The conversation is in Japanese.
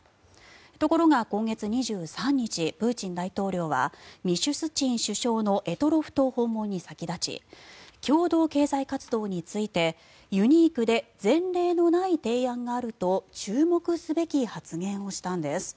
ところが、今月２３日プーチン大統領はミシュスチン首相の択捉島訪問に先立ち共同経済活動についてユニークで前例のない提案があると注目すべき発言をしたんです。